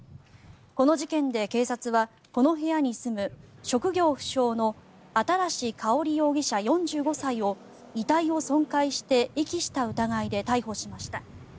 この事件で警察はこの部屋に住む職業不詳の新かほり容疑者、４５歳を遺体を損壊して遺棄した疑いで逮捕しました。